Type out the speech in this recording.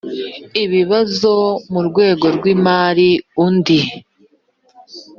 ibibazo mu rwego rw imari undi